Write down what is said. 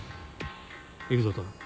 行くぞ透。